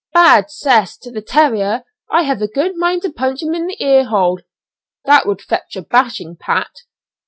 "Bad 'cess to the 'terrier!' I have a good mind to punch him in the ear hole." "That would fetch a bashing, Pat."